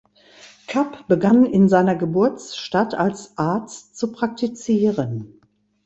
Kapp begann in seiner Geburtsstadt als Arzt zu praktizieren.